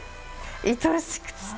いとおしくて？